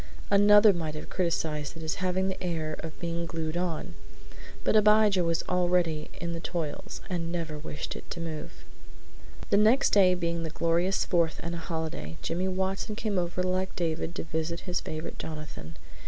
Another might have criticised it as having the air of being glued on, but Abijah was already in the toils and never wished it to move. The next day being the glorious Fourth and a holiday, Jimmy Watson came over like David, to visit his favorite Jonathan.